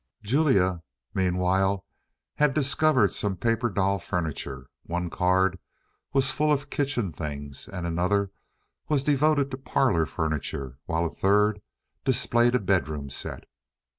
Julia, meanwhile, had discovered some paper doll furniture. One card was full of kitchen things, and another was devoted to parlour furniture, while a third displayed a bedroom set.